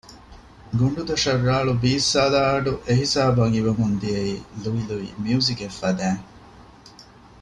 ގޮނޑުދޮށަށް ރާޅު ބީއްސާލާ އަޑު އެ ހިސާބަށް އިވެމުން ދިއައީ ލުއި ލުއި މިޔުޒިކެއް ފަދައިން